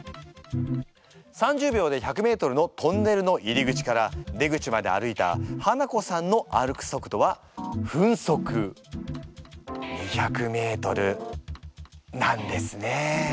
３０秒で１００ｍのトンネルの入り口から出口まで歩いたハナコさんの歩く速度は分速２００ｍなんですね。